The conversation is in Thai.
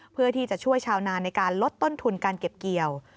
เพื่อที่จะช่วยชาวนาในการลดต้นทุนการเก็บเกี่ยว